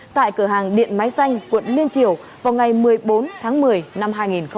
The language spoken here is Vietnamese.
tại cửa hàng điện máy xanh quận liên triều vào ngày một mươi bốn tháng một mươi năm hai nghìn một mươi chín